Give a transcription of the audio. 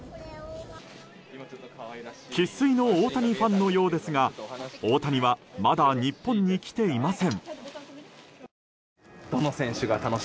生粋の大谷ファンのようですが大谷はまだ日本に来ていません。